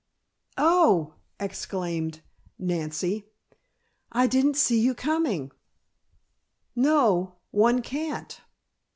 "Oh!" exclaimed Nancy. "I didn't see you coming " "No, one can't.